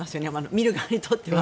見る側にとっては。